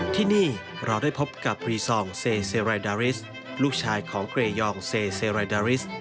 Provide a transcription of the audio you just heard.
ที่นี่เราได้พบกับรีซองเซเซไรดาริสลูกชายของเกรยองเซเซไรดาริส